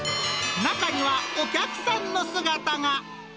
中には、お客さんの姿が。